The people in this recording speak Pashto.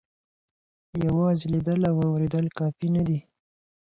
یوازې لیدل او اورېدل کافي نه دي.